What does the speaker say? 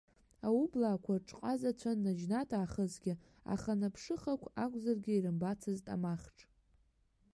Аублаақәа ҽҟазацәан наџьнатә аахысгьы, аха, наԥшыхақә акәзаргьы, ирымбацызт амахҽ.